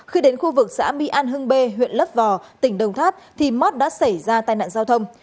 khi đến khu vực xã mỹ an hưng bê huyện lấp vò tỉnh đồng tháp thì móc đã xảy ra tai nạn giao thông